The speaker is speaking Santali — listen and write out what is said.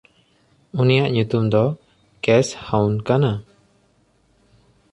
ᱩᱱᱤᱭᱟᱜ ᱧᱩᱛᱩᱢ ᱫᱚ ᱠᱮᱥᱦᱟᱩᱱ ᱠᱟᱱᱟ᱾